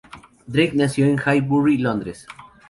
Darke nació en Highbury, Londres.